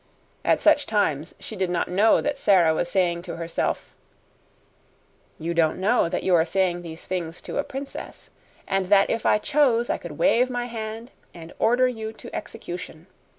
At such times she did not know that Sara was saying to herself: "You don't know that you are saying these things to a princess, and that if I chose I could wave my hand and order you to execution.